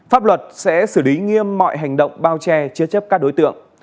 pháp luật sẽ xử lý nghiêm mọi hành động bao che chứa chấp các đối tượng